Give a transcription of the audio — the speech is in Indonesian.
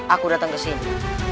aku datang kesini